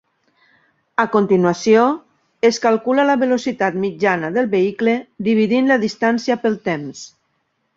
A continuació, es calcula la velocitat mitjana del vehicle dividint la distància pel temps.